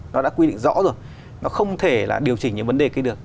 nó đã quy định rõ rồi nó không thể là điều chỉnh những vấn đề kia được